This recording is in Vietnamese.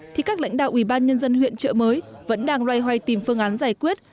thì các lãnh đạo ủy ban nhân dân huyện trợ mới vẫn đang loay hoay tìm phương án giải quyết